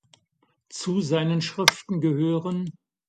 Zu seinen Schriften gehören